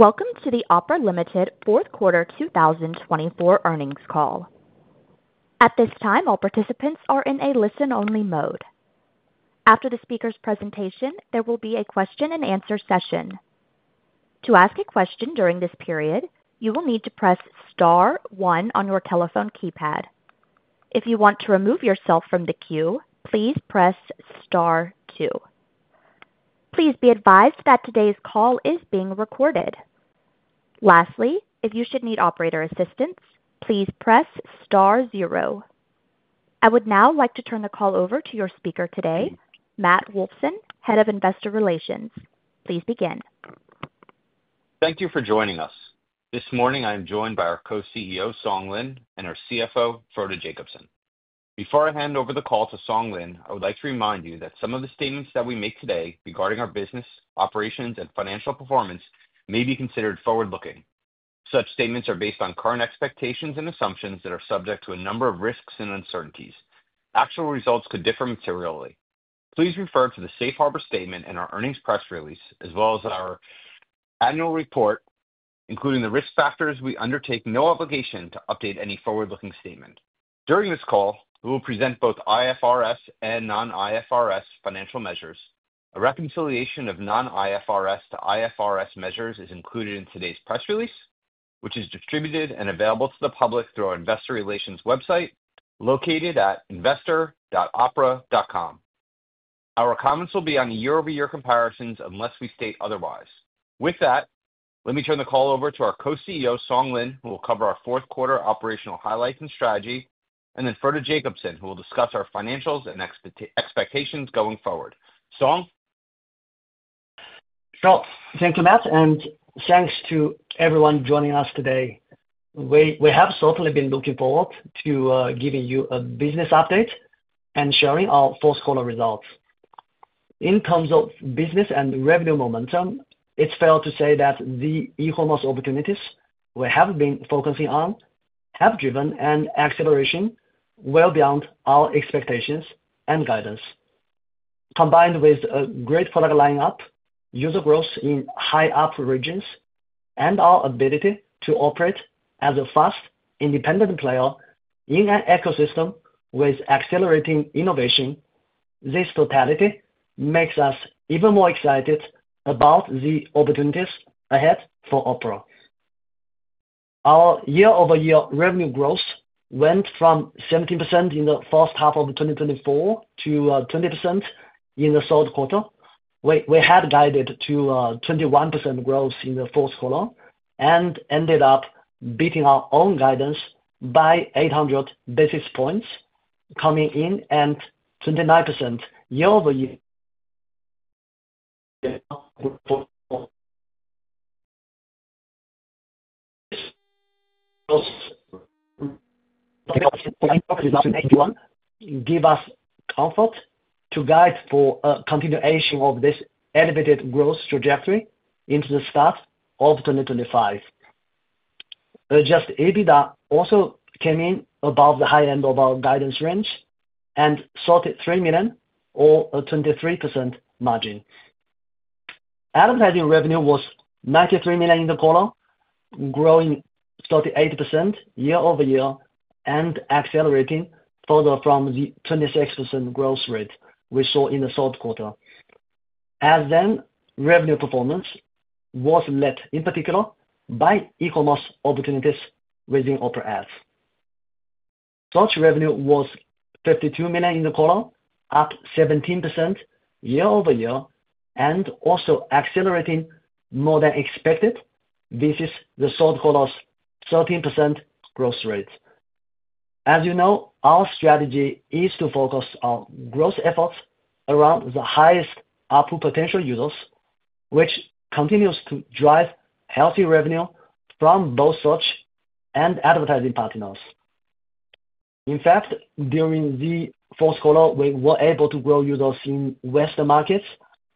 Welcome to the Opera Limited fourth quarter 2024 earnings call. At this time, all participants are in a listen-only mode. After the speaker's presentation, there will be a question-and-answer session. To ask a question during this period, you will need to press star one on your telephone keypad. If you want to remove yourself from the queue, please press star two. Please be advised that today's call is being recorded. Lastly, if you should need operator assistance, please press star zero. I would now like to turn the call over to your speaker today, Matt Wolfson, Head of Investor Relations. Please begin. Thank you for joining us. This morning, I am joined by our Co-CEO, Song Lin, and our CFO, Frode Jacobsen. Before I hand over the call to Song Lin, I would like to remind you that some of the statements that we make today regarding our business, operations, and financial performance may be considered forward-looking. Such statements are based on current expectations and assumptions that are subject to a number of risks and uncertainties. Actual results could differ materially. Please refer to the Safe Harbor statement and our earnings press release, as well as our annual report, including the risk factors. We undertake no obligation to update any forward-looking statement. During this call, we will present both IFRS and non-IFRS financial measures. A reconciliation of non-IFRS to IFRS measures is included in today's press release, which is distributed and available to the public through our investor relations website located at investor.opera.com. Our comments will be on year-over-year comparisons unless we state otherwise. With that, let me turn the call over to our Co-CEO, Song Lin, who will cover our fourth quarter operational highlights and strategy, and then Frode Jacobsen, who will discuss our financials and expectations going forward. Song. Thank you, Matt, and thanks to everyone joining us today. We have certainly been looking forward to giving you a business update and sharing our fourth quarter results. In terms of business and revenue momentum, it's fair to say that the e-commerce opportunities we have been focusing on have driven an acceleration well beyond our expectations and guidance. Combined with a great product lineup, user growth in high-ARPU regions, and our ability to operate as a fast, independent player in an ecosystem with accelerating innovation, this totality makes us even more excited about the opportunities ahead for Opera. Our year-over-year revenue growth went from 17% in the first half of 2024 to 20% in the third quarter. We have guided to 21% growth in the fourth quarter and ended up beating our own guidance by 800 basis points coming in at 29% year-over-year. Give us comfort to guide for a continuation of this elevated growth trajectory into the start of 2025. AdJust EBITDA also came in above the high end of our guidance range and $33 million or a 23% margin. Advertising revenue was $93 million in the quarter, growing 38% year-over-year and accelerating further from the 26% growth rate we saw in the third quarter. And then, revenue performance was led in particular by e-commerce opportunities within Opera Ads. Such revenue was $52 million in the quarter, up 17% year-over-year and also accelerating more than expected versus the third quarter's 13% growth rate. As you know, our strategy is to focus our growth efforts around the highest ARPU potential users, which continues to drive healthy revenue from both search and advertising partners. In fact, during the fourth quarter, we were able to grow users in Western markets,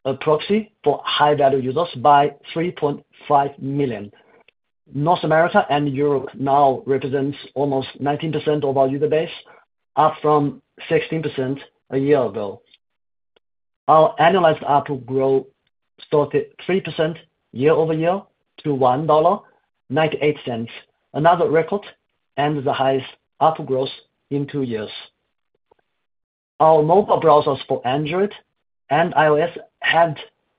a proxy for high-value users by 3.5 million. North America and Europe now represent almost 19% of our user base, up from 16% a year ago. Our annualized ARPU growth started 3% year-over-year to $1.98, another record and the highest ARPU growth in two years. Our mobile browsers for Android and iOS had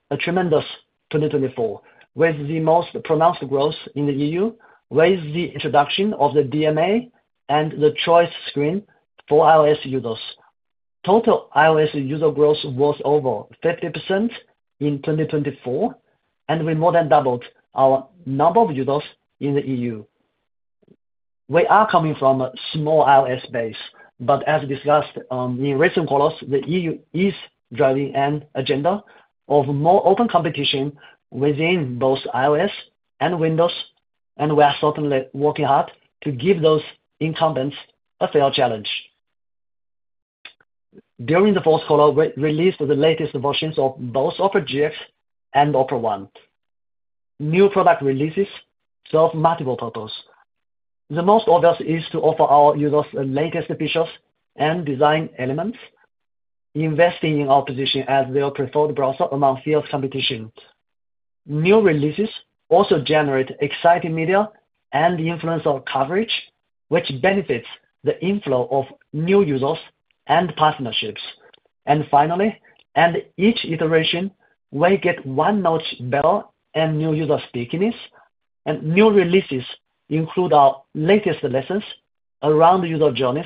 a tremendous 2024, with the most pronounced growth in the EU with the introduction of the DMA and the choice screen for iOS users. Total iOS user growth was over 50% in 2024, and we more than doubled our number of users in the EU. We are coming from a small iOS base, but as discussed in recent quarters, the EU is driving an agenda of more open competition within both iOS and Windows, and we are certainly working hard to give those incumbents a fair challenge. During the fourth quarter, we released the latest versions of both Opera GX and Opera One. New product releases serve multiple purposes. The most obvious is to offer our users the latest features and design elements, investing in our position as their preferred browser among fierce competitions. New releases also generate exciting media and influencer coverage, which benefits the inflow of new users and partnerships. Finally, at each iteration, we get one notch better and new user stickiness, and new releases include our latest lessons around user journeys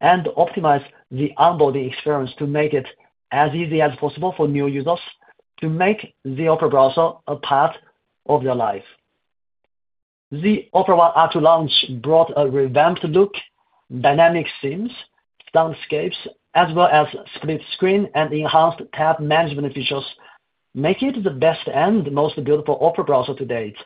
and optimize the onboarding experience to make it as easy as possible for new users to make the Opera browser a part of their life. The Opera One R2 launch brought a revamped look, dynamic themes, soundscapes, as well as split screen and enhanced tab management features, making it the best and most beautiful Opera browser to date.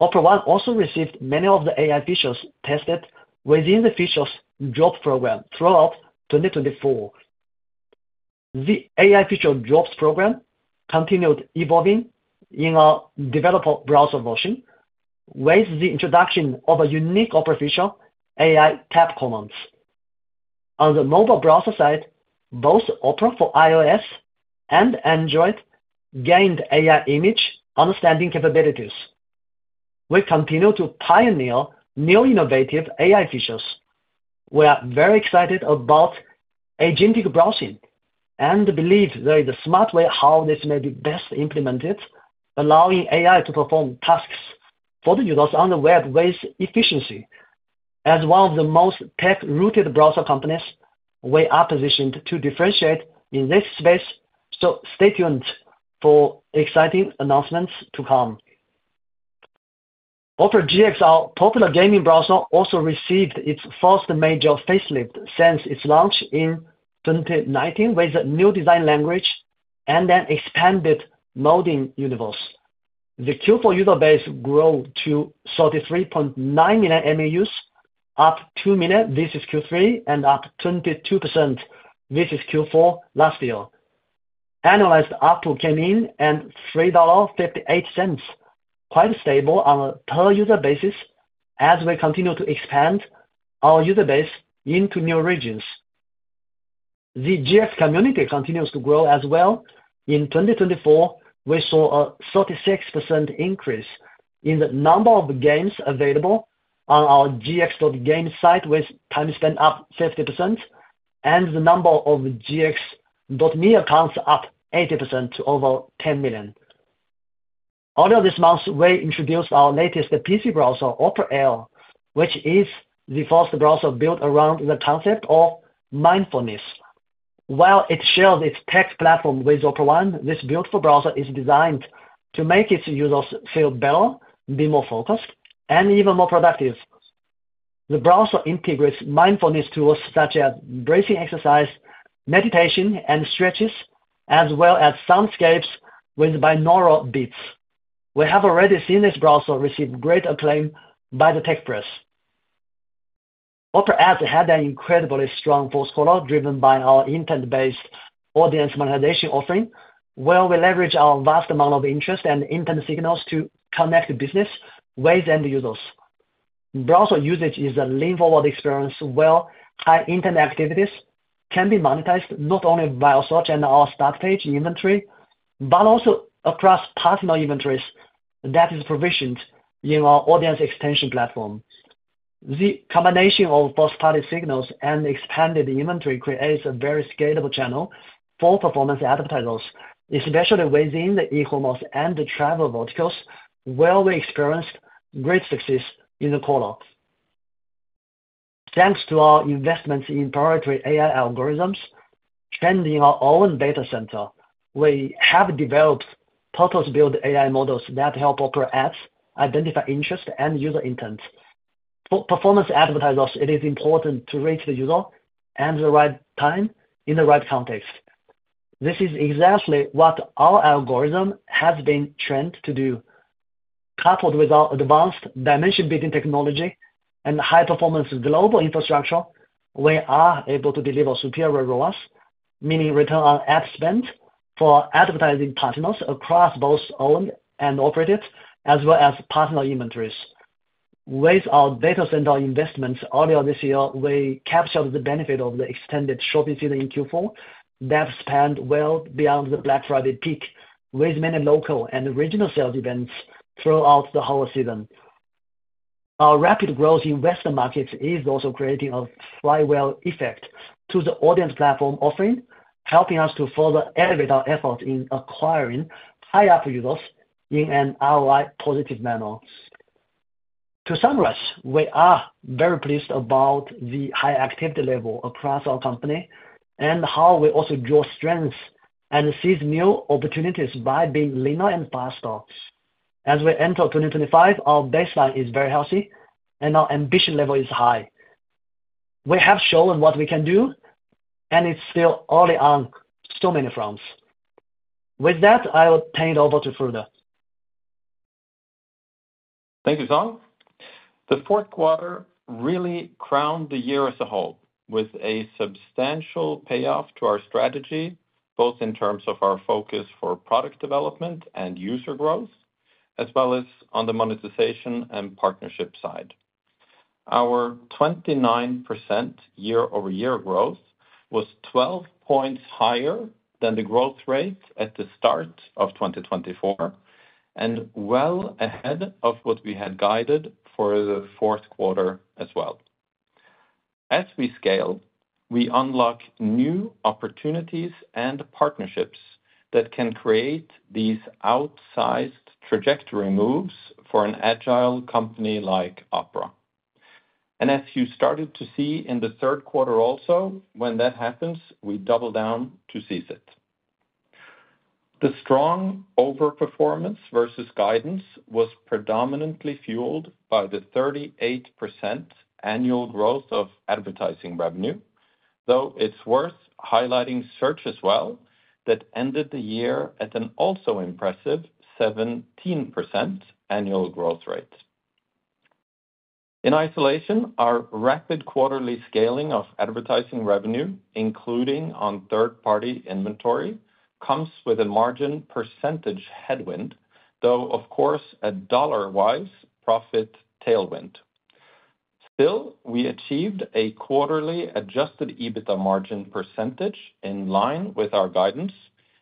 Opera One also received many of the AI features tested within the feature drops program throughout 2024. The AI feature drops program continued evolving in our developer browser version with the introduction of a unique Opera feature, AI tab commands. On the mobile browser side, both Opera for iOS and Android gained AI image understanding capabilities. We continue to pioneer new innovative AI features. We are very excited about agentic browsing and believe there is a smart way how this may be best implemented, allowing AI to perform tasks for the users on the web with efficiency. As one of the most tech-rooted browser companies, we are positioned to differentiate in this space, so stay tuned for exciting announcements to come. Opera GX, our popular gaming browser, also received its first major facelift since its launch in 2019 with a new design language and an expanded modding universe. The Q4 user base grew to 33.9 million MAUs, up 2 million versus Q3, and up 22% versus Q4 last year. Annualized ARPU came in at $3.58, quite stable on a per-user basis as we continue to expand our user base into new regions. The GX community continues to grow as well. In 2024, we saw a 36% increase in the number of games available on our gx.games site with time spent up 50% and the number of gx.me accounts up 80% to over 10 million. Earlier this month, we introduced our latest PC browser, Opera Aria, which is the first browser built around the concept of mindfulness. While it shares its tech platform with Opera One, this beautiful browser is designed to make its users feel better, be more focused, and even more productive. The browser integrates mindfulness tools such as breathing exercises, meditation, and stretches, as well as soundscapes with binaural beats. We have already seen this browser receive great acclaim by the tech press. Opera Ads had an incredibly strong fourth quarter driven by our intent-based audience monetization offering, where we leverage our vast amount of interest and intent signals to connect business with end users. Browser usage is a lean-forward experience where high intent activities can be monetized not only via search and our start page inventory, but also across partner inventories that are provisioned in our audience extension platform. The combination of first-party signals and expanded inventory creates a very scalable channel for performance advertisers, especially within the e-commerce and the travel verticals, where we experienced great success in the quarter. Thanks to our investments in proprietary AI algorithms training in our own data center, we have developed purpose-built AI models that help Opera Ads identify interest and user intent. For performance advertisers, it is important to reach the user at the right time in the right context. This is exactly what our algorithm has been trained to do. Coupled with our advanced dimension-building technology and high-performance global infrastructure, we are able to deliver superior ROAS, meaning return on ad spend for advertising partners across both owned and operated, as well as partner inventories. With our data center investments earlier this year, we captured the benefit of the extended shopping season in Q4 that spanned well beyond the Black Friday peak with many local and regional sales events throughout the whole season. Our rapid growth in Western markets is also creating a flywheel effect to the audience platform offering, helping us to further elevate our efforts in acquiring high-ARPU users in an ROI-positive manner. To summarize, we are very pleased about the high activity level across our company and how we also draw strengths and seize new opportunities by being leaner and faster. As we enter 2025, our baseline is very healthy, and our ambition level is high. We have shown what we can do, and it's still early on so many fronts. With that, I will turn it over to Frode. Thank you, Song. The fourth quarter really crowned the year as a whole with a substantial payoff to our strategy, both in terms of our focus for product development and user growth, as well as on the monetization and partnership side. Our 29% year-over-year growth was 12 points higher than the growth rate at the start of 2024 and well ahead of what we had guided for the fourth quarter as well. As we scale, we unlock new opportunities and partnerships that can create these outsized trajectory moves for an agile company like Opera. And as you started to see in the third quarter also, when that happens, we double down to seize it. The strong overperformance versus guidance was predominantly fueled by the 38% annual growth of advertising revenue, though it's worth highlighting search as well that ended the year at an also impressive 17% annual growth rate. In isolation, our rapid quarterly scaling of advertising revenue, including on third-party inventory, comes with a margin percentage headwind, though, of course, a dollar-wise profit tailwind. Still, we achieved a quarterly Adjusted EBITDA margin percentage in line with our guidance,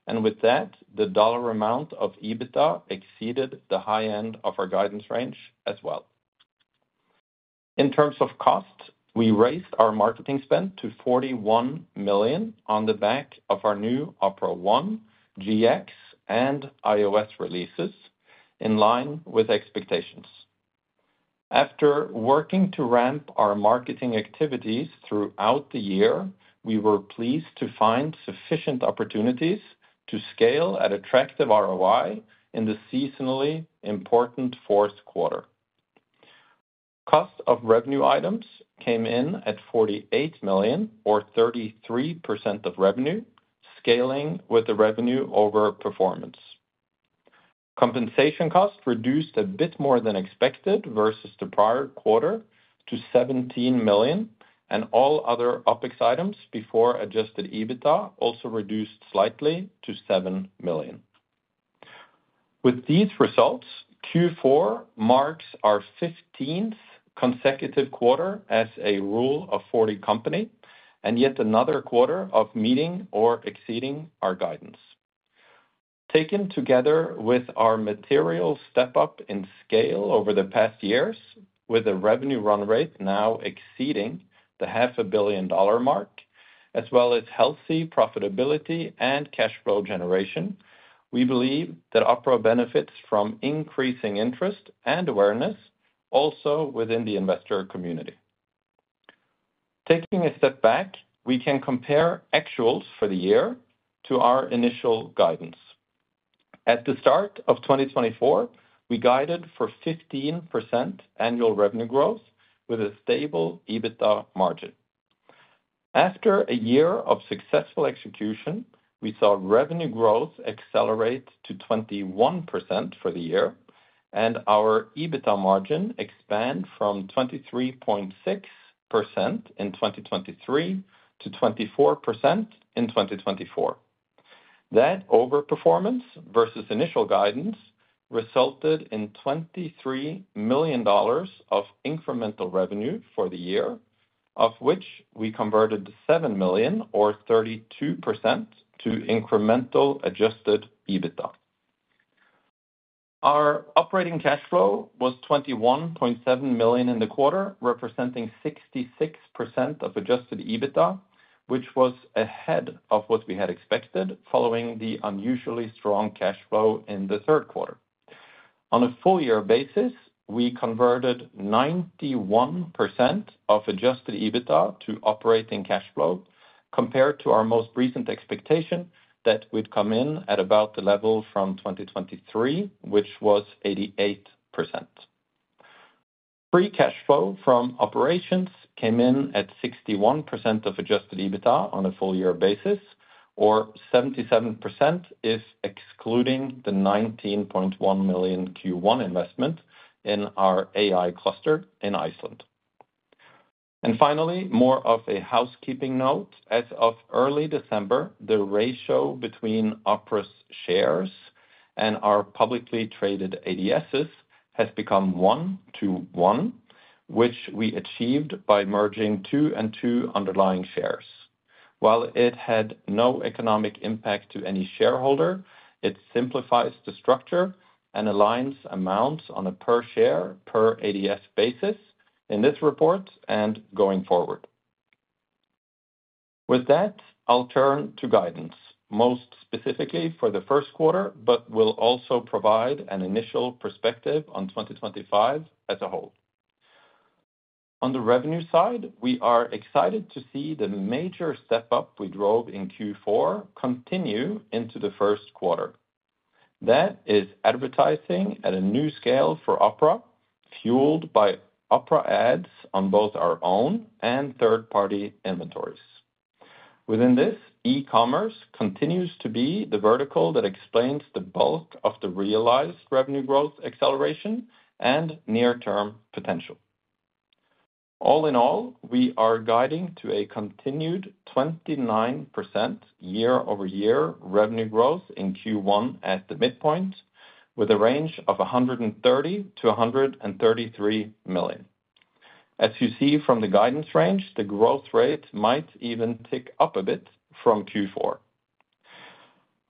and with that, the dollar amount of EBITDA exceeded the high end of our guidance range as well. In terms of cost, we raised our marketing spend to $41 million on the back of our new Opera One, GX, and iOS releases in line with expectations. After working to ramp our marketing activities throughout the year, we were pleased to find sufficient opportunities to scale at attractive ROI in the seasonally important fourth quarter. Cost of revenue items came in at $48 million, or 33% of revenue, scaling with the revenue over performance. Compensation cost reduced a bit more than expected versus the prior quarter to $17 million, and all other OPEX items before Adjusted EBITDA also reduced slightly to $7 million. With these results, Q4 marks our 15th consecutive quarter as a Rule of 40 company and yet another quarter of meeting or exceeding our guidance. Taken together with our material step-up in scale over the past years, with a revenue run rate now exceeding the $500 million mark, as well as healthy profitability and cash flow generation, we believe that Opera benefits from increasing interest and awareness also within the investor community. Taking a step back, we can compare actuals for the year to our initial guidance. At the start of 2024, we guided for 15% annual revenue growth with a stable EBITDA margin. After a year of successful execution, we saw revenue growth accelerate to 21% for the year, and our EBITDA margin expand from 23.6% in 2023 to 24% in 2024. That overperformance versus initial guidance resulted in $23 million of incremental revenue for the year, of which we converted $7 million, or 32%, to incremental Adjusted EBITDA. Our operating cash flow was $21.7 million in the quarter, representing 66% of Adjusted EBITDA, which was ahead of what we had expected following the unusually strong cash flow in the third quarter. On a full-year basis, we converted 91% of Adjusted EBITDA to operating cash flow, compared to our most recent expectation that would come in at about the level from 2023, which was 88%. Free cash flow from operations came in at 61% of Adjusted EBITDA on a full-year basis, or 77% if excluding the $19.1 million Q1 investment in our AI cluster in Iceland. And finally, more of a housekeeping note, as of early December, the ratio between Opera's shares and our publicly traded ADSs has become 1 to 1, which we achieved by merging two and two underlying shares. While it had no economic impact to any shareholder, it simplifies the structure and aligns amounts on a per-share per ADS basis in this report and going forward. With that, I'll turn to guidance, most specifically for the first quarter, but will also provide an initial perspective on 2025 as a whole. On the revenue side, we are excited to see the major step-up we drove in Q4 continue into the first quarter. That is advertising at a new scale for Opera, fueled by Opera Ads on both our own and third-party inventories. Within this, e-commerce continues to be the vertical that explains the bulk of the realized revenue growth acceleration and near-term potential. All in all, we are guiding to a continued 29% year-over-year revenue growth in Q1 at the midpoint, with a range of $130 million-$133 million. As you see from the guidance range, the growth rate might even tick up a bit from Q4.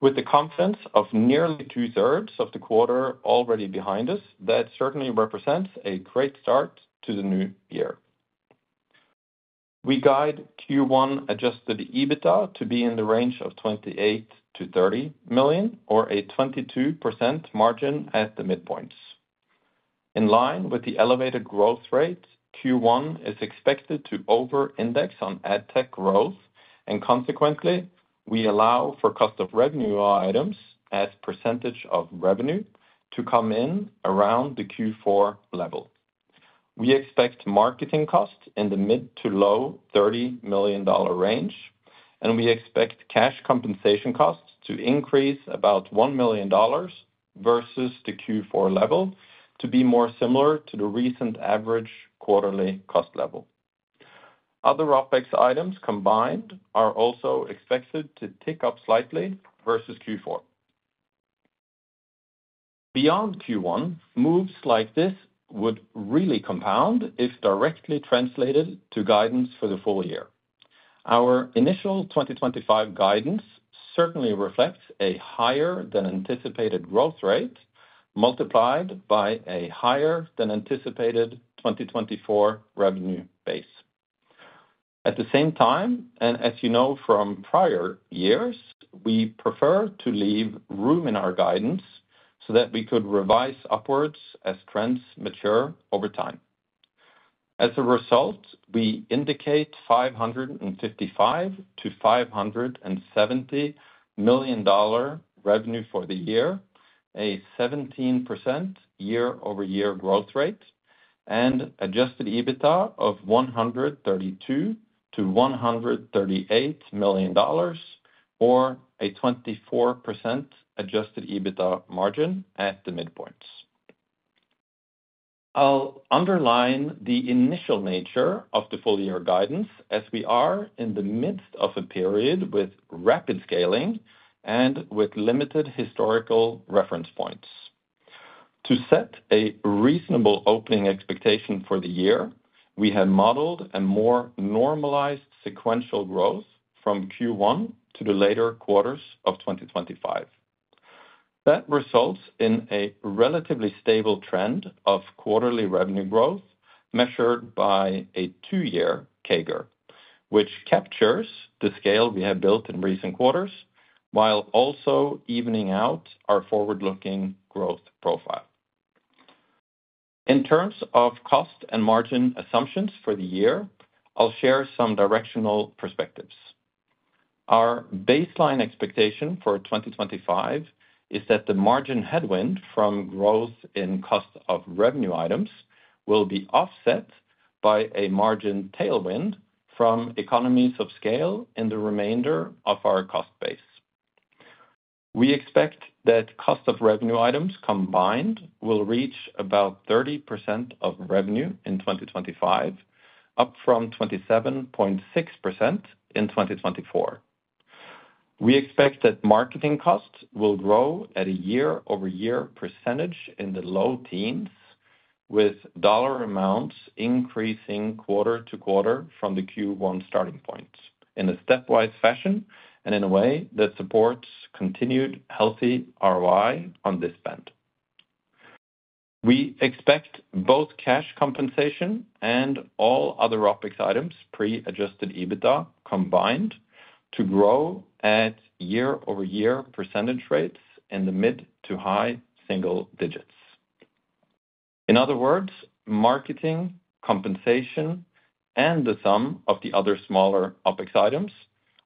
With the confidence of nearly two-thirds of the quarter already behind us, that certainly represents a great start to the new year. We guide Q1 Adjusted EBITDA to be in the range of $28 million-$30 million, or a 22% margin at the midpoint. In line with the elevated growth rate, Q1 is expected to over-index on ad tech growth, and consequently, we allow for cost of revenue items as percentage of revenue to come in around the Q4 level. We expect marketing costs in the mid to low $30 million range, and we expect cash compensation costs to increase about $1 million versus the Q4 level to be more similar to the recent average quarterly cost level. Other OpEx items combined are also expected to tick up slightly versus Q4. Beyond Q1, moves like this would really compound if directly translated to guidance for the full year. Our initial 2025 guidance certainly reflects a higher-than-anticipated growth rate multiplied by a higher-than-anticipated 2024 revenue base. At the same time, and as you know from prior years, we prefer to leave room in our guidance so that we could revise upwards as trends mature over time. As a result, we indicate $555 million-$570 million revenue for the year, a 17% year-over-year growth rate, and Adjusted EBITDA of $132 million-$138 million, or a 24% Adjusted EBITDA margin at the midpoints. I'll underline the initial nature of the full-year guidance as we are in the midst of a period with rapid scaling and with limited historical reference points. To set a reasonable opening expectation for the year, we have modeled a more normalized sequential growth from Q1 to the later quarters of 2025. That results in a relatively stable trend of quarterly revenue growth measured by a two-year CAGR, which captures the scale we have built in recent quarters, while also evening out our forward-looking growth profile. In terms of cost and margin assumptions for the year, I'll share some directional perspectives. Our baseline expectation for 2025 is that the margin headwind from growth in cost of revenue items will be offset by a margin tailwind from economies of scale in the remainder of our cost base. We expect that cost of revenue items combined will reach about 30% of revenue in 2025, up from 27.6% in 2024. We expect that marketing costs will grow at a year-over-year percentage in the low teens, with dollar amounts increasing quarter to quarter from the Q1 starting point in a stepwise fashion and in a way that supports continued healthy ROI on this spend. We expect both cash compensation and all other OpEx items pre-Adjusted EBITDA combined to grow at year-over-year percentage rates in the mid- to high-single-digits. In other words, marketing, compensation, and the sum of the other smaller OpEx items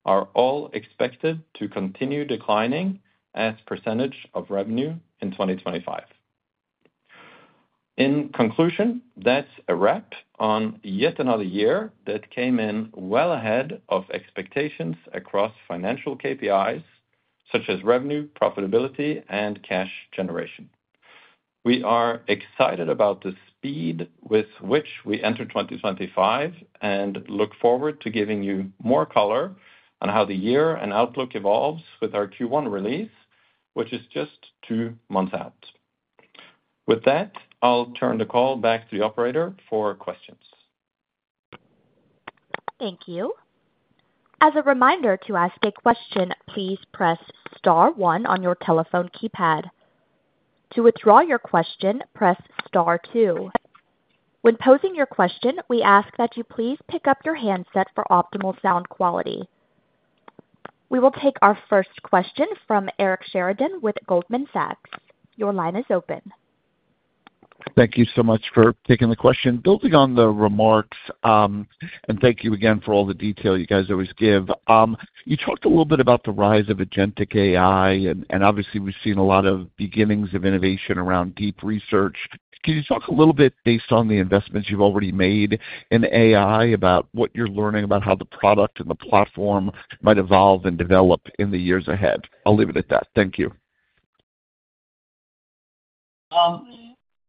are all expected to continue declining as a percentage of revenue in 2025. In conclusion, that's a wrap on yet another year that came in well ahead of expectations across financial KPIs such as revenue, profitability, and cash generation. We are excited about the speed with which we enter 2025 and look forward to giving you more color on how the year and outlook evolves with our Q1 release, which is just two months out. With that, I'll turn the call back to the operator for questions. Thank you. As a reminder to ask a question, please press star one on your telephone keypad. To withdraw your question, press star two. When posing your question, we ask that you please pick up your handset for optimal sound quality. We will take our first question from Eric Sheridan with Goldman Sachs. Your line is open. Thank you so much for taking the question. Building on the remarks, and thank you again for all the detail you guys always give. You talked a little bit about the rise of agentic AI, and obviously, we've seen a lot of beginnings of innovation around deep research. Can you talk a little bit based on the investments you've already made in AI about what you're learning about how the product and the platform might evolve and develop in the years ahead? I'll leave it at that. Thank you.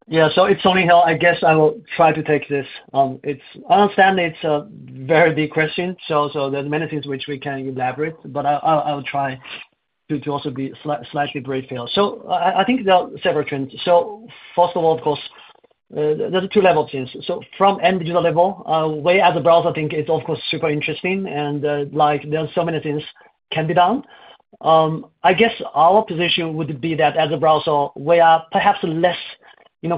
Yeah. So it's only, I guess I will try to take this. I understand it's a very big question, so there are many things which we can elaborate, but I'll try to also be slightly brief here. So I think there are several trends. So first of all, of course, there are two level things. So from end-user level, we as a browser, I think it's of course super interesting, and there are so many things that can be done. I guess our position would be that as a browser, we are perhaps less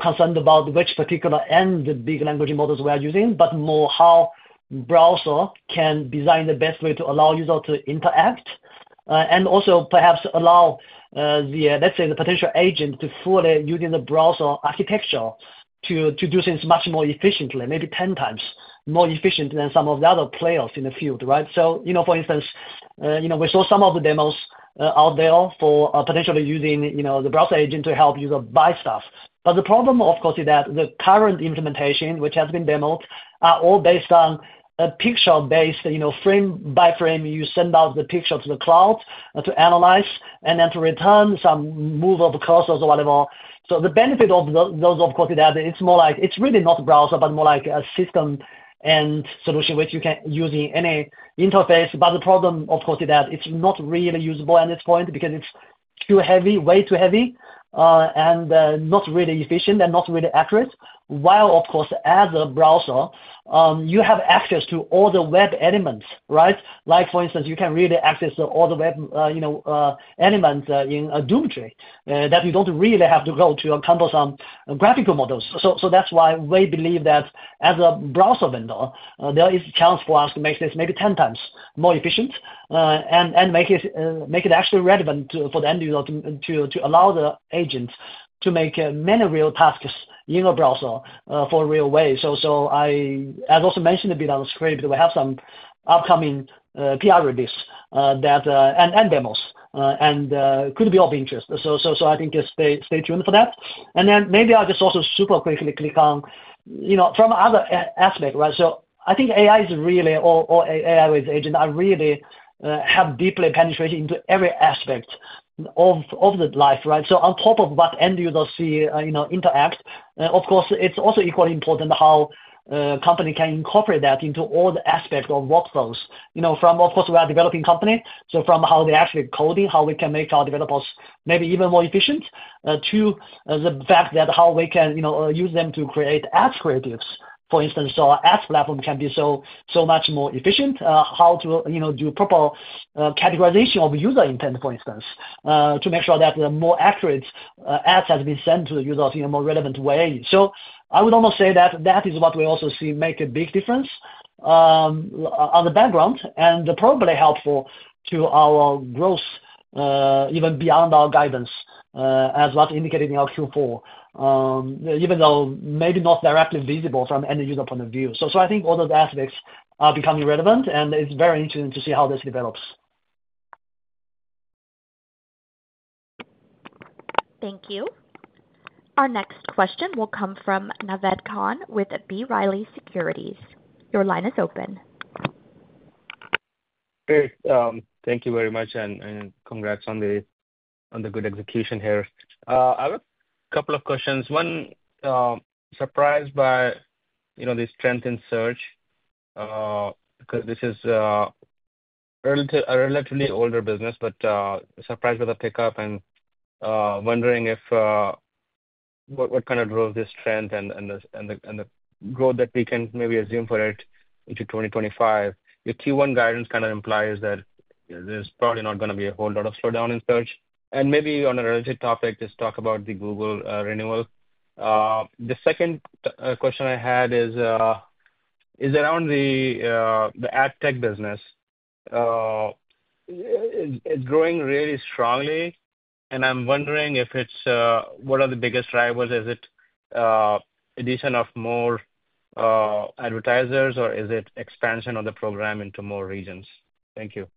concerned about which particular end the big language models we are using, but more how browser can design the best way to allow users to interact and also perhaps allow, let's say, the potential agent to fully use the browser architecture to do things much more efficiently, maybe 10x more efficient than some of the other players in the field, right? So for instance, we saw some of the demos out there for potentially using the browser agent to help users buy stuff. But the problem, of course, is that the current implementation, which has been demoed, are all based on a picture-based frame-by-frame. You send out the picture to the cloud to analyze and then to return some move of cursors or whatever. So the benefit of those, of course, is that it's more like it's really not a browser, but more like a system and solution which you can use in any interface. But the problem, of course, is that it's not really usable at this point because it's too heavy, way too heavy, and not really efficient and not really accurate. While, of course, as a browser, you have access to all the web elements, right? Like for instance, you can really access all the web elements in a DOM tree that you don't really have to go to a couple of some graphical models. So that's why we believe that as a browser vendor, there is a chance for us to make this maybe 10x more efficient and make it actually relevant for the end user to allow the agent to make many real tasks in a browser for a real way. So as I also mentioned a bit on the script, we have some upcoming PR releases and demos and could be of interest. So I think just stay tuned for that. And then maybe I'll just also super quickly click on from other aspects, right? So I think AI is really or AI with agent are really have deeply penetrated into every aspect of life, right? On top of what end users see and interact with, of course, it's also equally important how a company can incorporate that into all the aspects of workflows. From, of course, we are a developing company, so from how they actually code, how we can make our developers maybe even more efficient to the fact that how we can use them to create ad creatives, for instance, so our ads platform can be so much more efficient, how to do proper categorization of user intent, for instance, to make sure that the more accurate ads have been sent to the users in a more relevant way. So I would almost say that that is what we also see make a big difference on the background and probably helpful to our growth even beyond our guidance, as was indicated in our Q4, even though maybe not directly visible from an end-user point of view. So I think all those aspects are becoming relevant, and it's very interesting to see how this develops. Thank you. Our next question will come from Naved Khan with B. Riley Securities. Your line is open. Great. Thank you very much, and congrats on the good execution here. I have a couple of questions. One, surprised by the strength in search because this is a relatively older business, but surprised by the pickup and wondering what kind of drove this trend and the growth that we can maybe assume for it into 2025. Your Q1 guidance kind of implies that there's probably not going to be a whole lot of slowdown in search. And maybe on a related topic, just talk about the Google renewal. The second question I had is around the ad tech business. It's growing really strongly, and I'm wondering if it's what are the biggest drivers? Is it a decision of more advertisers, or is it expansion of the program into more regions? Thank you.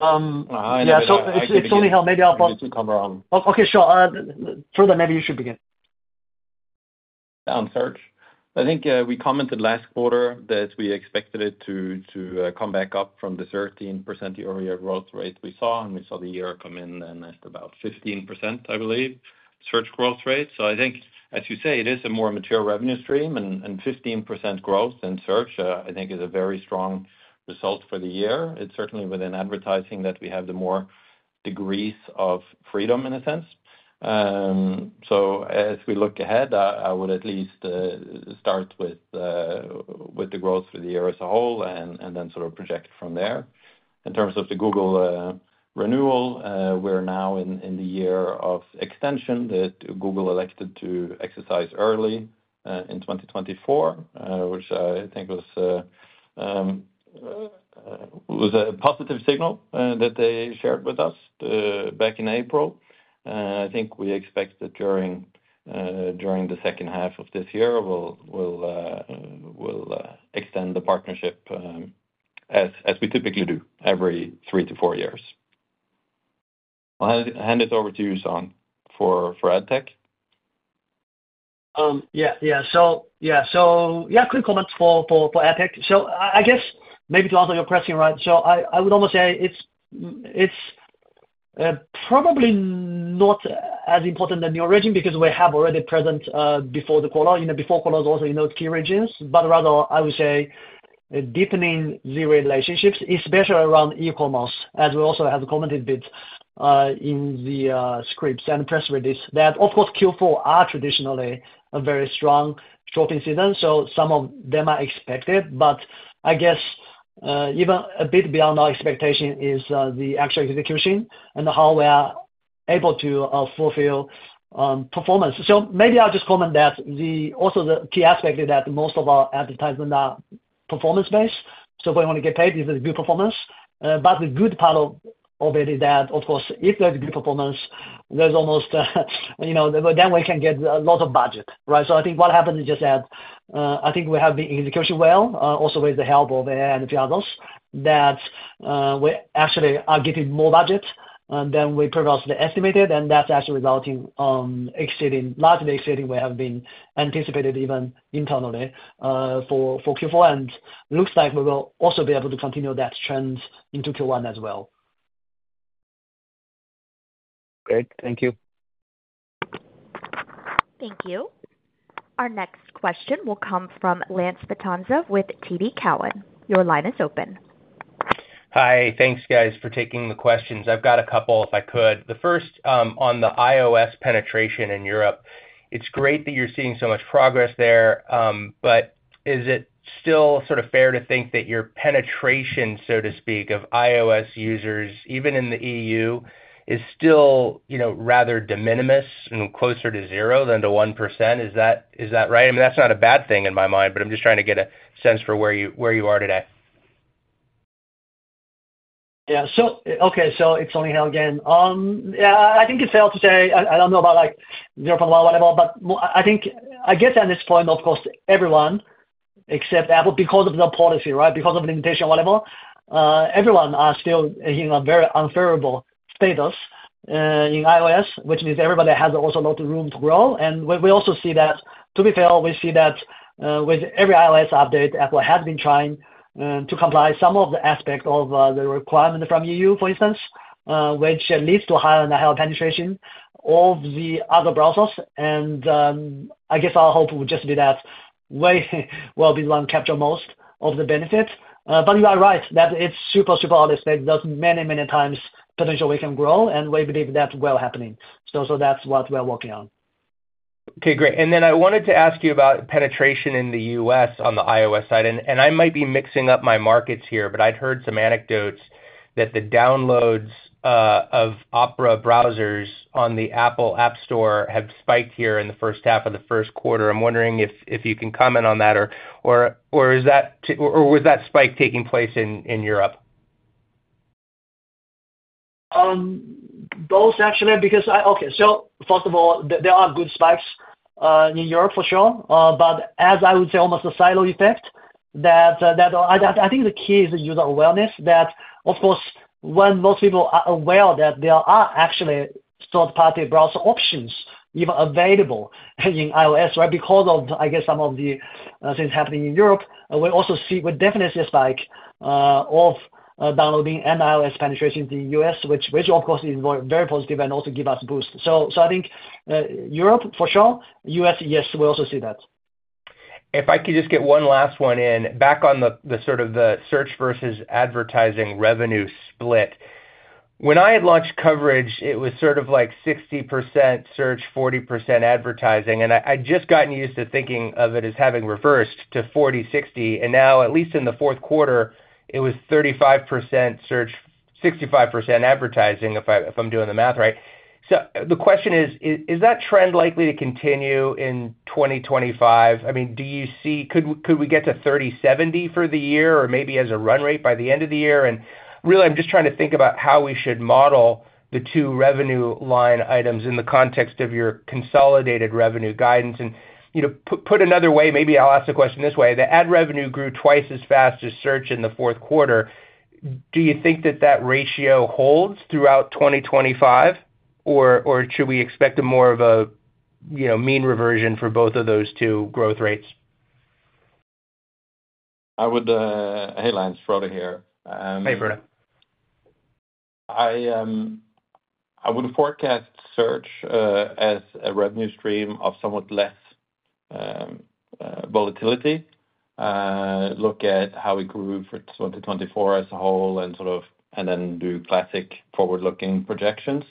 Yeah. On search. I think we commented last quarter that we expected it to come back up from the 13% year-over-year growth rate we saw, and we saw the year come in at about 15%, I believe, search growth rate. So I think, as you say, it is a more mature revenue stream, and 15% growth in search, I think, is a very strong result for the year. It's certainly within advertising that we have the more degrees of freedom in a sense. So as we look ahead, I would at least start with the growth for the year as a whole and then sort of project from there. In terms of the Google renewal, we're now in the year of extension that Google elected to exercise early in 2024, which I think was a positive signal that they shared with us back in April. I think we expect that during the second half of this year, we'll extend the partnership as we typically do every three to four years. I'll hand it over to you, Song, for ad tech. Yeah. Yeah. So yeah, quick comments for ad tech. So I guess maybe to answer your question, right? I would almost say it's probably not as important as the original because we have already presence before the quarter. Before quarter is also in those key regions, but rather I would say deepening our relationships, especially around e-commerce, as we also have commented a bit in the scripts and press release, that, of course, Q4 are traditionally a very strong shopping season. So some of them are expected, but I guess even a bit beyond our expectation is the actual execution and how we are able to fulfill performance. So maybe I'll just comment that also the key aspect is that most of our advertisements are performance-based. So if we want to get paid, this is good performance. But the good part of it is that, of course, if there's good performance, there's almost then we can get a lot of budget, right? So I think what happens is just that I think we have the execution well, also with the help of AI and a few others, that we actually are getting more budget than we previously estimated, and that's actually resulting in largely exceeding what we have been anticipated even internally for Q4, and looks like we will also be able to continue that trend into Q1 as well. Great. Thank you. Thank you. Our next question will come from Lance Vitanza with TD Cowen. Your line is open. Hi. Thanks, guys, for taking the questions. I've got a couple if I could. The first on the iOS penetration in Europe. It's great that you're seeing so much progress there, but is it still sort of fair to think that your penetration, so to speak, of iOS users, even in the EU, is still rather de minimis and closer to zero than to 1%? Is that right? I mean, that's not a bad thing in my mind, but I'm just trying to get a sense for where you are today. Yeah. Okay. So it's only how again. Yeah. I think it's fair to say I don't know about zero point one whatever, but I think I guess at this point, of course, everyone except Apple because of the policy, right? Because of limitation or whatever, everyone is still in a very unfavorable status in iOS, which means everybody has also a lot of room to grow. We also see that, to be fair, we see that with every iOS update, Apple has been trying to comply with some of the aspects of the requirement from EU, for instance, which leads to higher and higher penetration of the other browsers. I guess our hope would just be that we will be the one capturing most of the benefits. But you are right that it's super, super obvious that there's many, many times potential we can grow, and we believe that's well happening. So that's what we're working on. Okay. Great. Then I wanted to ask you about penetration in the US on the iOS side. I might be mixing up my markets here, but I'd heard some anecdotes that the downloads of Opera browsers on the Apple App Store have spiked here in the first half of the first quarter. I'm wondering if you can comment on that, or was that spike taking place in Europe? Both, actually, because okay. So first of all, there are good spikes in Europe, for sure, but as I would say, almost a silo effect that I think the key is user awareness that, of course, when most people are aware that there are actually third-party browser options even available in iOS, right? Because of, I guess, some of the things happening in Europe, we also see, definitely, a spike of downloading and iOS penetrations in the U.S., which, of course, is very positive and also gives us a boost. So I think Europe, for sure. U.S., yes, we also see that. If I could just get one last one in, back on the sort of the search versus advertising revenue split. When I had launched coverage, it was sort of like 60% search, 40% advertising. And I'd just gotten used to thinking of it as having reversed to 40, 60. And now, at least in the fourth quarter, it was 35% search, 65% advertising, if I'm doing the math right. So the question is, is that trend likely to continue in 2025? I mean, could we get to 30, 70 for the year, or maybe as a run rate by the end of the year? And really, I'm just trying to think about how we should model the two revenue line items in the context of your consolidated revenue guidance. And put another way, maybe I'll ask the question this way. The ad revenue grew twice as fast as search in the fourth quarter. Do you think that that ratio holds throughout 2025, or should we expect more of a mean reversion for both of those two growth rates? Hey, Lance, Frode here. Hey, Frode. I would forecast search as a revenue stream of somewhat less volatility. Look at how it grew for 2024 as a whole and then do classic forward-looking projections.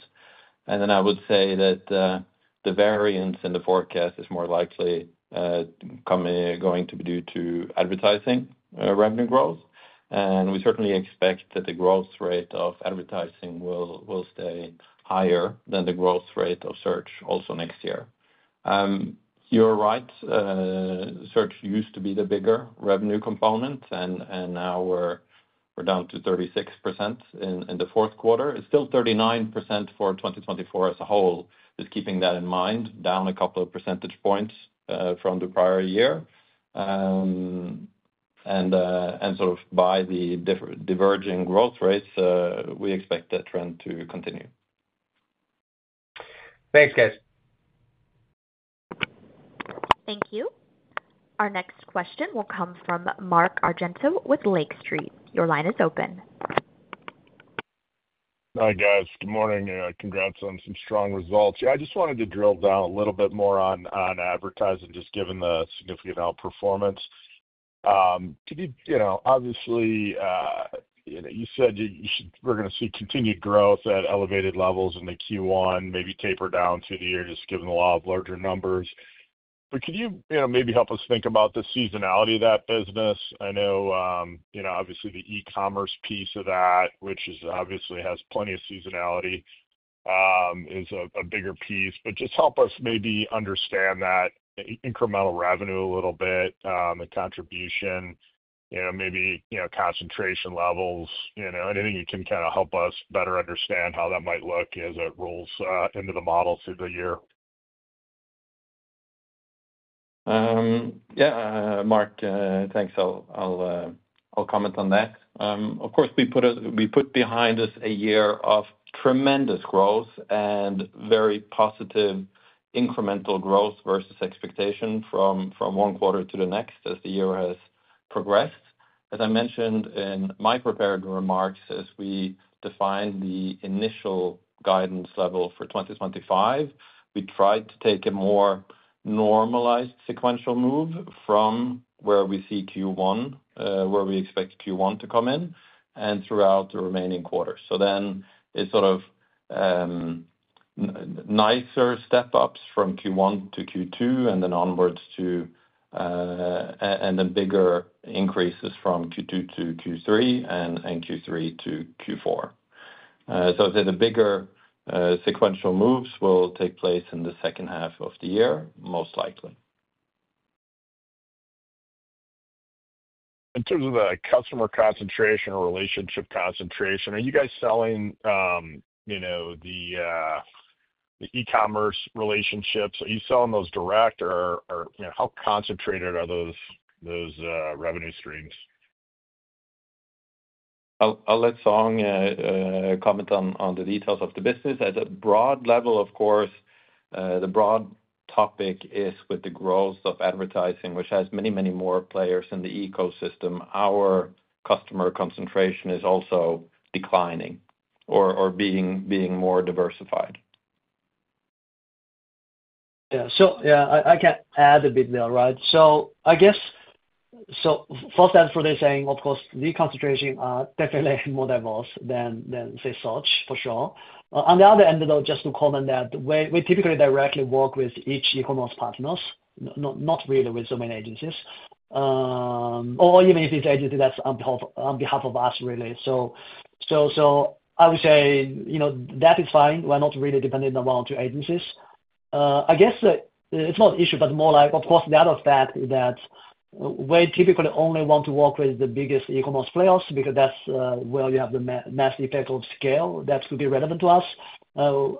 And then I would say that the variance in the forecast is more likely going to be due to advertising revenue growth. And we certainly expect that the growth rate of advertising will stay higher than the growth rate of search also next year. You're right. Search used to be the bigger revenue component, and now we're down to 36% in the fourth quarter. It's still 39% for 2024 as a whole, just keeping that in mind, down a couple of percentage points from the prior year. And sort of by the diverging growth rates, we expect that trend to continue. Thanks, guys. Thank you. Our next question will come from Mark Argento with Lake Street. Your line is open. Hi, guys. Good morning. Congrats on some strong results. Yeah, I just wanted to drill down a little bit more on advertising, just given the significant outperformance. Obviously, you said we're going to see continued growth at elevated levels in the Q1, maybe taper down through the year, just given the law of larger numbers. But could you maybe help us think about the seasonality of that business? I know, obviously, the e-commerce piece of that, which obviously has plenty of seasonality, is a bigger piece. But just help us maybe understand that incremental revenue a little bit, the contribution, maybe concentration levels. Anything you can kind of help us better understand how that might look as it rolls into the model through the year? Yeah. Mark, thanks. I'll comment on that. Of course, we put behind us a year of tremendous growth and very positive incremental growth versus expectation from one quarter to the next as the year has progressed. As I mentioned in my prepared remarks, as we defined the initial guidance level for 2025, we tried to take a more normalized sequential move from where we see Q1, where we expect Q1 to come in, and throughout the remaining quarter. So then it's sort of nicer step-ups from Q1-Q2 and then onwards to and then bigger increases from Q2-Q3 and Q3-Q4. So I'd say the bigger sequential moves will take place in the second half of the year, most likely. In terms of the customer concentration or relationship concentration, are you guys selling the e-commerce relationships? Are you selling those directly, or how concentrated are those revenue streams? I'll let Song comment on the details of the business. At a broad level, of course, the broad topic is with the growth of advertising, which has many, many more players in the ecosystem. Our customer concentration is also declining or being more diversified. Yeah. So yeah, I can add a bit there, right? So I guess firsthand, Frode is saying, of course, the concentration are definitely more diverse than say search, for sure. On the other end, though, just to comment that we typically directly work with each e-commerce partner, not really with so many agencies, or even if it's an agency that's on behalf of us, really. So I would say that is fine. We're not really dependent on one or two agencies. I guess it's not an issue, but more like, of course, the other fact is that we typically only want to work with the biggest e-commerce players because that's where you have the mass effect of scale that could be relevant to us,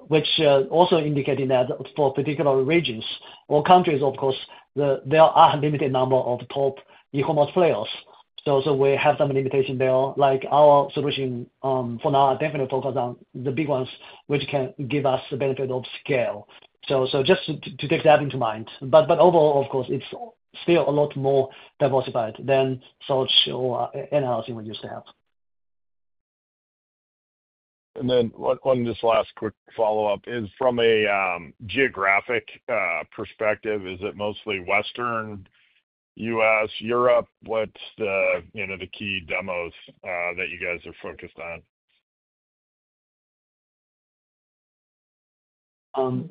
which also indicating that for particular regions or countries, of course, there are a limited number of top e-commerce players. So we have some limitation there. Our solution for now are definitely focused on the big ones, which can give us the benefit of scale. So just to take that into mind. But overall, of course, it's still a lot more diversified than search or anything we used to have. And then one just last quick follow-up is from a geographic perspective, is it mostly Western, US, Europe? What's the key demos that you guys are focused on?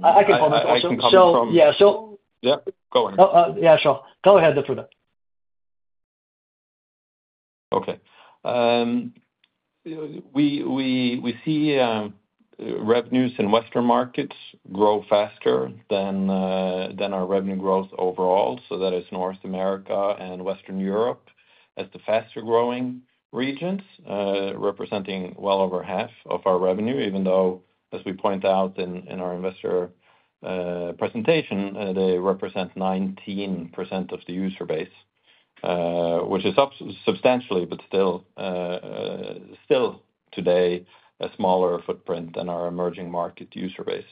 I can comment also. Yeah. So yeah, go ahead. Yeah, sure. Go ahead, Frode. Okay. We see revenues in Western markets grow faster than our revenue growth overall. So that is North America and Western Europe as the faster-growing regions, representing well over half of our revenue, even though, as we point out in our investor presentation, they represent 19% of the user base, which is substantially, but still today, a smaller footprint than our emerging market user base.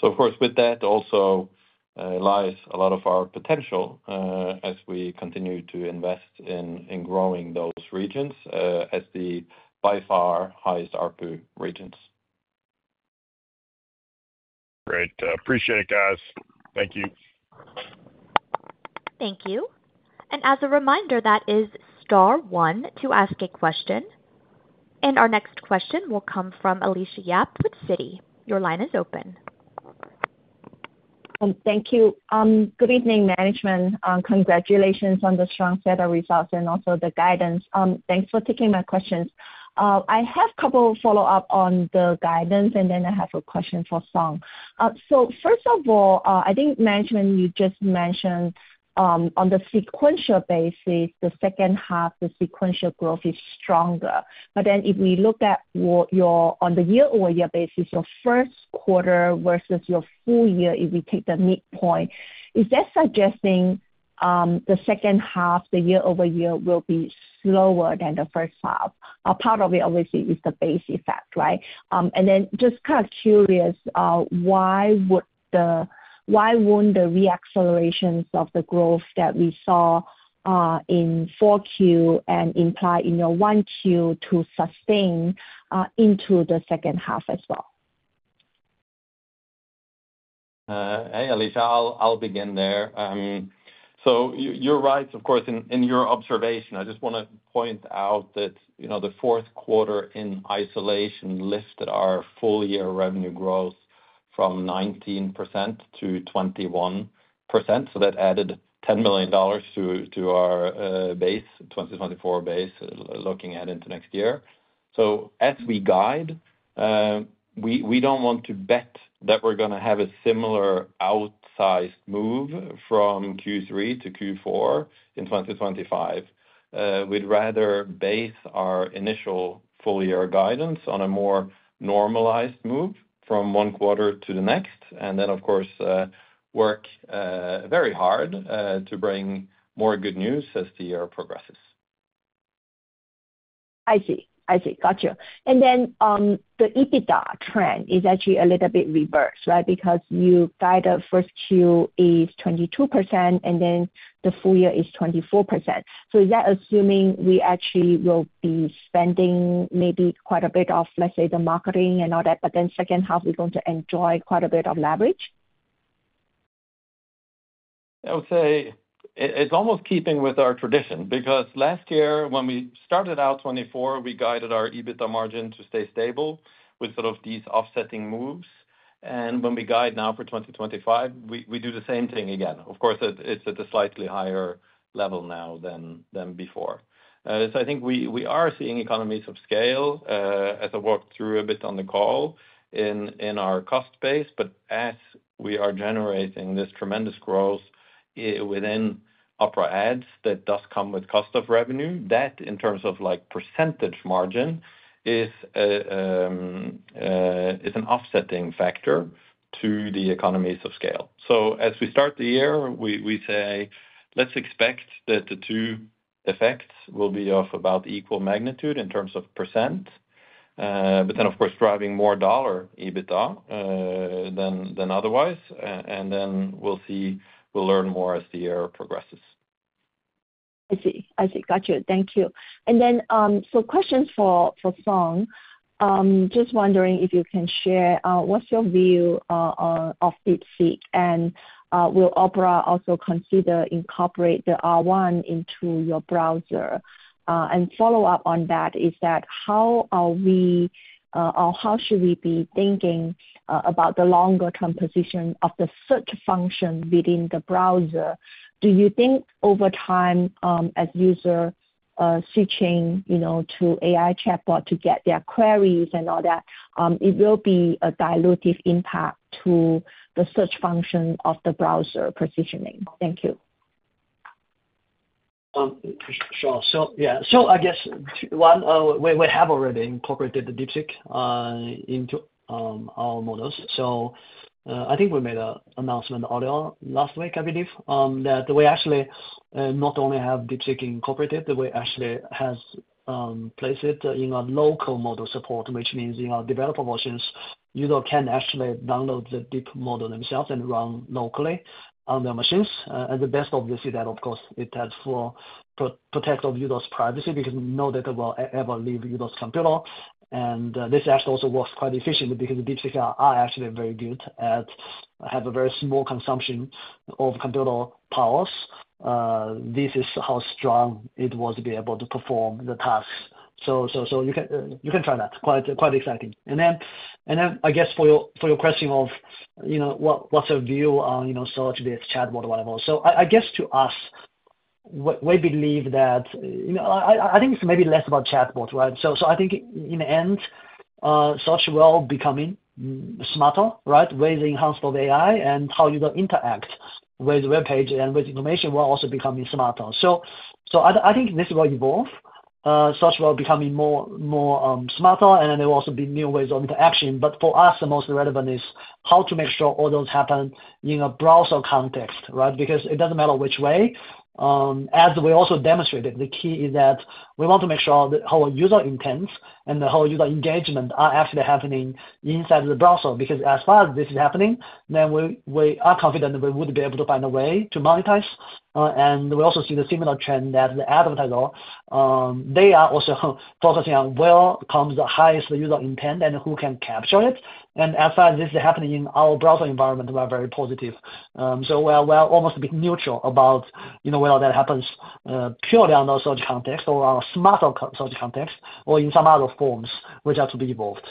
So, of course, with that also lies a lot of our potential as we continue to invest in growing those regions as the by far highest RPU regions. Great. Appreciate it, guys. Thank you. Thank you. And as a reminder, that is star one to ask a question. And our next question will come from Alicia Yap with Citi. Your line is open. Thank you. Good evening, management. Congratulations on the strong set of results and also the guidance. Thanks for taking my questions. I have a couple of follow-ups on the guidance, and then I have a question for Song. So first of all, I think management, you just mentioned on the sequential basis, the second half, the sequential growth is stronger. But then if we look at your, on the year-over-year basis, your first quarter versus your full year, if we take the midpoint, is that suggesting the second half, the year-over-year, will be slower than the first half? A part of it, obviously, is the base effect, right? And then just kind of curious, why wouldn't the reacceleration of the growth that we saw in Q4 and imply in your Q1 to sustain into the second half as well? Hey, Alicia, I'll begin there. So you're right, of course, in your observation. I just want to point out that the fourth quarter in isolation lifted our full-year revenue growth from 19%-21%. So that added $10 million to our base, 2024 base, looking ahead into next year. So as we guide, we don't want to bet that we're going to have a similar outsized move from Q3-Q4 in 2025. We'd rather base our initial full-year guidance on a more normalized move from one quarter to the next, and then, of course, work very hard to bring more good news as the year progresses. I see. I see. Gotcha. And then the EBITDA trend is actually a little bit reversed, right? Because you guide the first Q is 22%, and then the full year is 24%.So is that assuming we actually will be spending maybe quite a bit of, let's say, the marketing and all that, but then second half, we're going to enjoy quite a bit of leverage? I would say it's almost keeping with our tradition because last year, when we started out 2024, we guided our EBITDA margin to stay stable with sort of these offsetting moves. And when we guide now for 2025, we do the same thing again. Of course, it's at a slightly higher level now than before. So I think we are seeing economies of scale as I walked through a bit on the call in our cost base. But as we are generating this tremendous growth within Opera Ads that does come with cost of revenue, that in terms of percentage margin is an offsetting factor to the economies of scale. So as we start the year, we say, "Let's expect that the two effects will be of about equal magnitude in terms of percent," but then, of course, driving more dollar EBITDA than otherwise. And then we'll see. We'll learn more as the year progresses. I see. I see. Gotcha. Thank you. And then some questions for Song. Just wondering if you can share what's your view of DeepSeek and will Opera also consider incorporating the R1 into your browser? And follow-up on that is that how are we or how should we be thinking about the longer-term position of the search function within the browser? Do you think over time, as users switching to AI chatbot to get their queries and all that, it will be a dilutive impact to the search function of the browser positioning? Thank you. Sure. So yeah.I guess one, we have already incorporated the DeepSeek into our models. I think we made an announcement earlier last week, I believe, that we actually not only have DeepSeek incorporated, we actually have placed it in a local model support, which means in our developer versions, users can actually download the DeepSeek model themselves and run locally on their machines. The best of this is that, of course, it has full protection of users' privacy because no data will ever leave users' computer. This actually also works quite efficiently because DeepSeek are actually very good at having a very small consumption of computer powers. This is how strong it was to be able to perform the tasks. You can try that. Quite exciting. Then I guess for your question of what's your view on search-based chatbot, whatever. So I guess to us, we believe that I think it's maybe less about chatbot, right? So I think in the end, search will become smarter, right, with the enhancement of AI and how users interact with the webpage and with information will also become smarter. So I think this will evolve. Search will become more smarter, and there will also be new ways of interaction. But for us, the most relevant is how to make sure all those happen in a browser context, right? Because it doesn't matter which way. As we also demonstrated, the key is that we want to make sure that our user intents and the whole user engagement are actually happening inside the browser. Because as far as this is happening, then we are confident we would be able to find a way to monetize. And we also see the similar trend that the advertiser, they are also focusing on where comes the highest user intent and who can capture it. And as far as this is happening in our browser environment, we are very positive. So we are almost a bit neutral about whether that happens purely on our search context or our smarter search context or in some other forms which are to be evolved.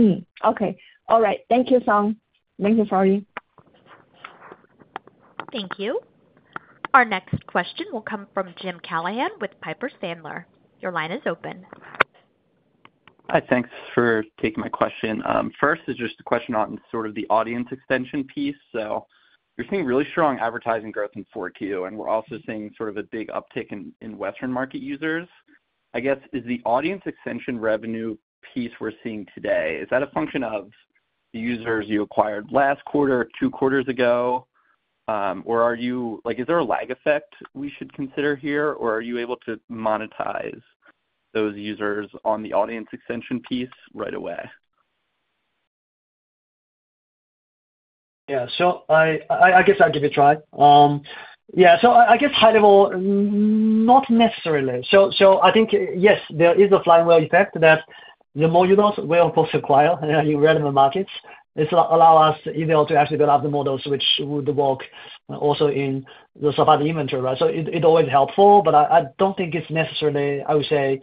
Okay. All right. Thank you, Song. Thank you, Frode. Thank you. Our next question will come from Jim Callahan with Piper Sandler. Your line is open. Hi. Thanks for taking my question. First is just a question on sort of the audience extension piece. So we're seeing really strong advertising growth in 4Q, and we're also seeing sort of a big uptick in Western market users. I guess, is the audience extension revenue piece we're seeing today, is that a function of the users you acquired last quarter, two quarters ago, or is there a lag effect we should consider here, or are you able to monetize those users on the audience extension piece right away? Yeah. So I guess I'll give it a try. Yeah. So I guess high-level, not necessarily. So I think, yes, there is a flywheel effect that the more users we'll, of course, acquire in relevant markets. This will allow us either to actually develop the models which would work also in the supply inventory, right? So it's always helpful, but I don't think it's necessarily, I would say,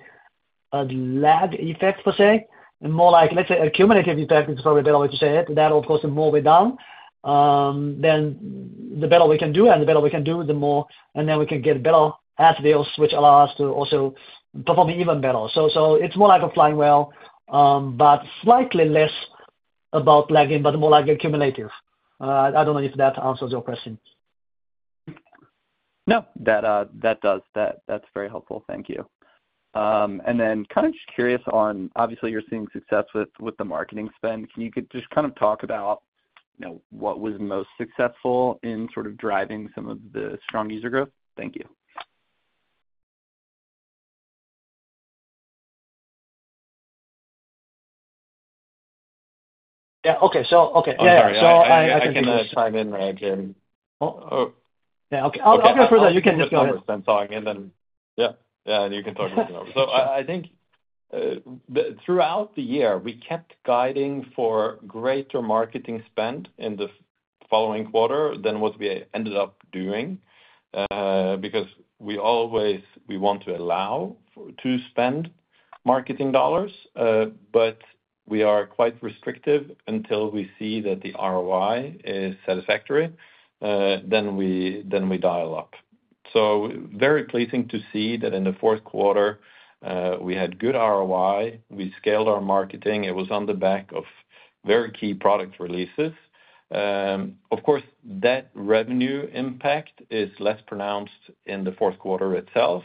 a lag effect per se. More like, let's say, a cumulative effect is probably a better way to say it. That, of course, the more we're down, then the better we can do. And the better we can do, the more and then we can get better ads deals, which allow us to also perform even better. So it's more like a flywheel, but slightly less about lagging, but more like a cumulative. I don't know if that answers your question. No. That does. That's very helpful. Thank you. And then kind of just curious on, obviously, you're seeing success with the marketing spend. Can you just kind of talk about what was most successful in sort of driving some of the strong user growth? Thank you. Yeah. Okay. So, okay. I'm sorry. I can just chime in right here. Oh. Yeah. Okay. I'll go first. You can just go ahead. I'm sorry. And then, yeah. Yeah. You can talk a bit more. So I think throughout the year, we kept guiding for greater marketing spend in the following quarter than what we ended up doing because we always want to allow to spend marketing dollars, but we are quite restrictive until we see that the ROI is satisfactory. Then we dial up. So very pleasing to see that in the fourth quarter, we had good ROI. We scaled our marketing. It was on the back of very key product releases. Of course, that revenue impact is less pronounced in the fourth quarter itself,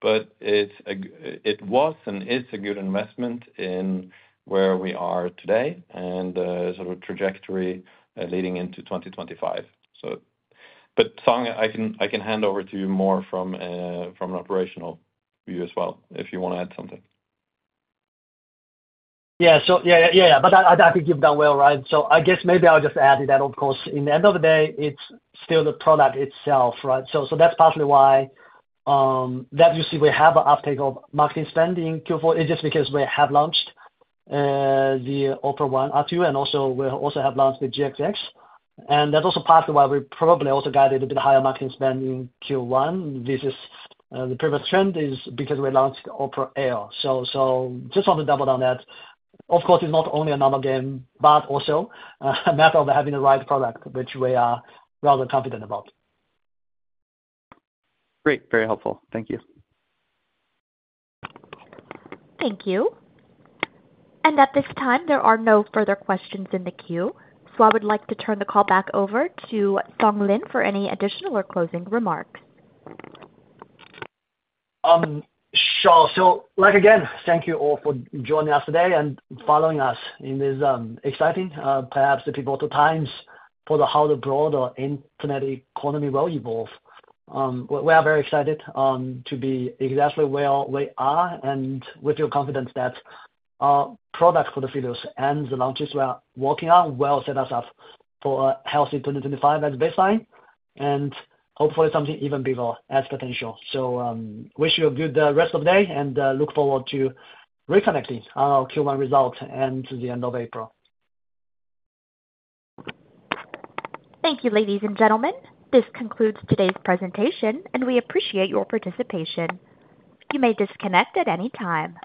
but it was and is a good investment in where we are today and sort of trajectory leading into 2025. But, Song, I can hand over to you more from an operational view as well if you want to add something. Yeah. So, yeah, yeah, yeah. But I think you've done well, right? So I guess maybe I'll just add that, of course, in the end of the day, it's still the product itself, right? So that's partly why that you see we have an uptake of marketing spend in Q4. It's just because we have launched the Opera One R2, and also we also have launched the Opera GX. And that's also partly why we probably also guided a bit higher marketing spend in Q1. The previous trend is because we launched Opera Aria. So just want to double down that. Of course, it's not only another game, but also a matter of having the right product, which we are rather confident about. Great. Very helpful. Thank you. Thank you. And at this time, there are no further questions in the queue. So I would like to turn the call back over to Song Lin for any additional or closing remarks. Sure. So, again, thank you all for joining us today and following us in this exciting, perhaps difficult times for how the broader internet economy will evolve. We are very excited to be exactly where we are and with your confidence that our product portfolio and the launches we are working on will set us up for a healthy 2025 as a baseline and hopefully something even bigger and potential. So we wish you a good rest of the day and look forward to reporting our Q1 results at the end of April. Thank you, ladies and gentlemen. This concludes today's presentation, and we appreciate your participation. You may disconnect at any time.